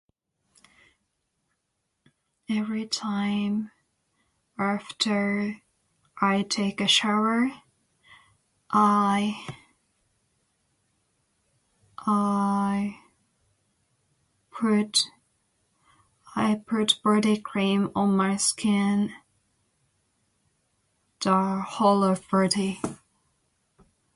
Every time after I take a shower I- I put- I put body cream on my skin. The whole of body.